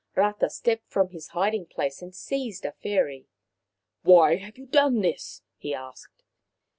Rata stepped from his hiding place and seized a fairy. " Why have 3^ou done this ?" he asked.